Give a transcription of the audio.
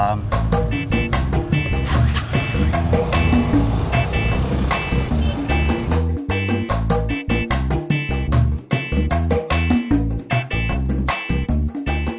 jangan lupa subscribe like komen dan share